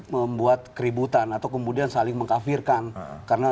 membuat keributan atau kemudian saling mengkafirkan